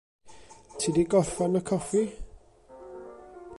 Ti 'di gorffan y coffi.